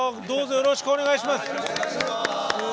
よろしくお願いします。